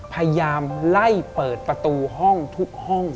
พยายามไล่เปิดประตูห้องทุกห้อง